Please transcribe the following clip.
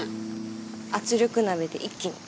圧力鍋で一気に。